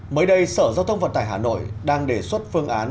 mới đây sở giao thông vận tải hà nội đang đề xuất phương án